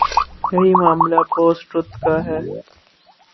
یہی معاملہ post truth کا ہے۔